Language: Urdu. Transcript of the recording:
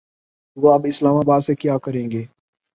وہ اب اسلام آباد سے کیا کریں گے۔